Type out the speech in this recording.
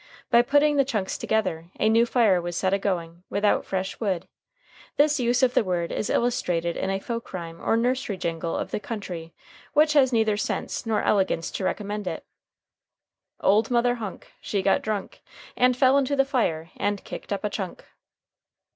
By putting the chunks together, a new fire was set a going without fresh wood. This use of the word is illustrated in a folk rhyme or nursery jingle of the country which has neither sense nor elegance to recommend it: "Old Mother Hunk She got drunk And fell in the fire And kicked up a chunk."